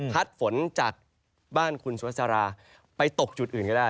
ฝนจากบ้านคุณสุภาษาราไปตกจุดอื่นก็ได้